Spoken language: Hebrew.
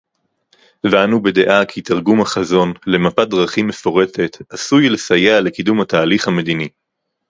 ואנו בדעה כי תרגום החזון למפת דרכים מפורטת עשוי לסייע לקידום התהליך המדיני